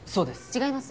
違います。